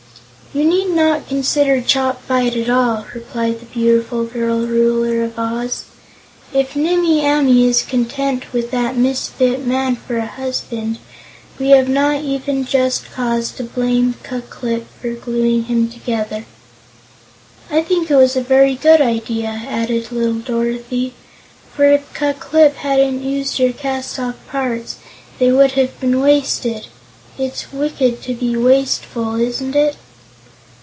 "You need not consider Chopfyt at all," replied the beautiful girl Ruler of Oz. "If Nimmie Amee is content with that misfit man for a husband, we have not even just cause to blame Ku Klip for gluing him together." "I think it was a very good idea," added little Dorothy, "for if Ku Klip hadn't used up your castoff parts, they would have been wasted. It's wicked to be wasteful, isn't it?"